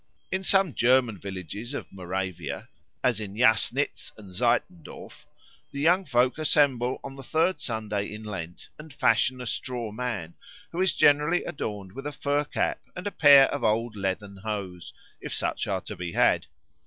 In some German villages of Moravia, as in Jassnitz and Seitendorf, the young folk assemble on the third Sunday in Lent and fashion a straw man, who is generally adorned with a fur cap and a pair of old leathern hose, if such are to be had.